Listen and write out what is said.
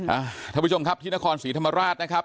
ท่านผู้ชมครับที่นครศรีธรรมราชนะครับ